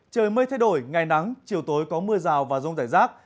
trời mây thay đổi ngày nắng chiều tối có mưa rào và rông rải rác